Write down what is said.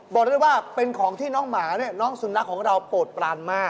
บอกได้ว่าเป็นของที่น้องหมาเนี่ยน้องสุนัขของเราโปรดปรานมาก